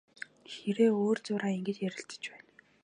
Хэрээ өөр зуураа ингэж ярилцаж байна.